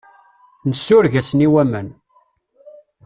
Nsureg-asen i waman.